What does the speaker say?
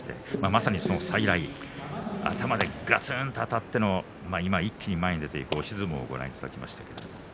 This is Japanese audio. まさにその再来頭でガツンとあたっての一気に前に出ていく押し相撲をご覧いただきました。